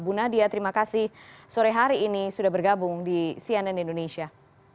bu nadia terima kasih sore hari ini sudah bergabung di cnn indonesia